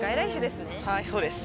はいそうです。